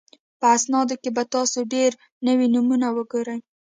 په اسنادو کې به تاسو ډېر نوي نومونه وګورئ